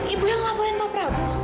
ibu yang laporkan bapak bu